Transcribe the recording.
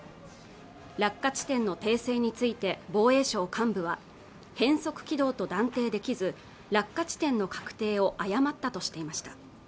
落下地点の訂正について防衛省幹部は変則軌道と断定できず落下地点の確定を誤ったとしていました